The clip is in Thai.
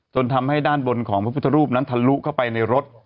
จนทำให้ด้านบนของพลักษมิตรรูปนั้นทะลุเข้าไปในรถ